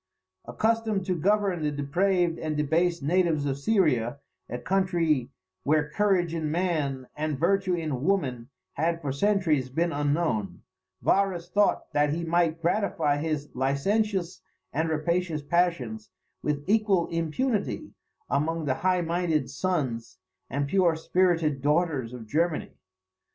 Accustomed to govern the depraved and debased natives of Syria, a country where courage in man, and virtue in woman, had for centuries been unknown, Varus thought that he might gratify his licentious and rapacious passions with equal impunity among the high minded sons and pure spirited daughters of Germany.